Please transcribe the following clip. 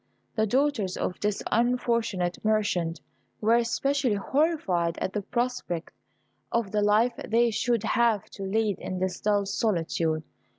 The daughters of this unfortunate merchant were especially horrified at the prospect of the life they should have to lead in this dull solitude.